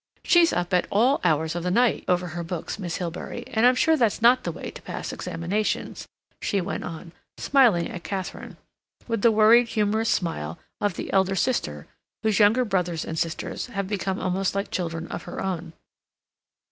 "She's up at all hours of the night over her books, Miss Hilbery, and I'm sure that's not the way to pass examinations," she went on, smiling at Katharine, with the worried humorous smile of the elder sister whose younger brothers and sisters have become almost like children of her own.